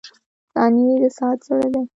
• ثانیې د ساعت زړه دی.